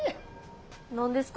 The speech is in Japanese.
何ですか？